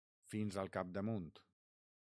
Fins al capdamunt.